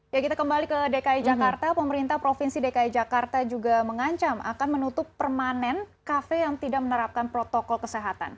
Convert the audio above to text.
ya kita kembali ke dki jakarta pemerintah provinsi dki jakarta juga mengancam akan menutup permanen kafe yang tidak menerapkan protokol kesehatan